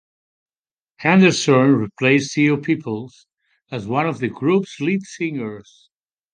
Henderson replaced Theo Peoples as one of the group's lead singers.